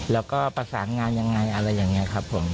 แล้วก็ประสานงานยังไงอะไรอย่างนี้ครับผม